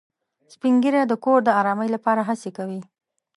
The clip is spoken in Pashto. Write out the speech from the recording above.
سپین ږیری د کور د ارامۍ لپاره هڅې کوي